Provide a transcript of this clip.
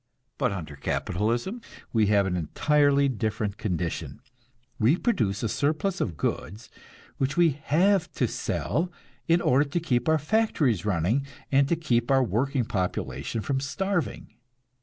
But under capitalism we have an entirely different condition we produce a surplus of goods which we have to sell in order to keep our factories running, and to keep our working population from starving.